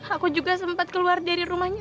aku juga sempat keluar dari rumahnya